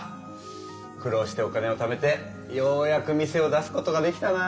苦労してお金をためてようやく店を出すことができたなぁ。